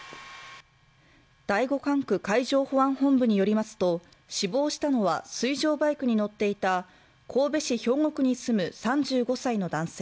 第五管区海上保安本部によりますと死亡したのは水上バイクに乗っていた神戸市兵庫区に住む３５歳の男性